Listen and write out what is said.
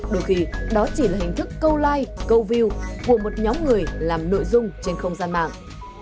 đôi khi đó chỉ là hình thức câu like câu view của một nhóm người làm nội dung trên không gian mạng